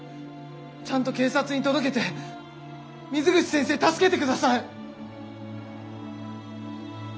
ちゃんと警察に届けて水口先生助けて下さい！